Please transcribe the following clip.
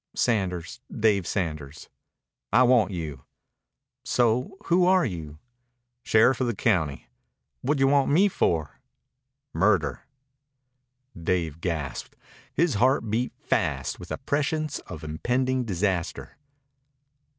"Sanders Dave Sanders." "I want you." "So? Who are you?" "Sheriff of the county." "Whadjawant me for?" "Murder." Dave gasped. His heart beat fast with a prescience of impending disaster.